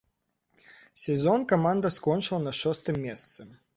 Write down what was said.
Сезон каманда скончыла на шостым месцы.